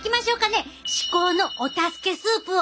至高のお助けスープを。